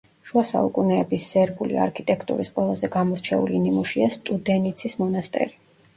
შუა საუკუნეების სერბული არქიტექტურის ყველაზე გამორჩეული ნიმუშია სტუდენიცის მონასტერი.